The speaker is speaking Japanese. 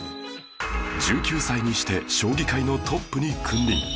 １９歳にして将棋界のトップに君臨